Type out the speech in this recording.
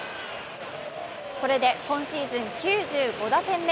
これで今シーズン９５打点目。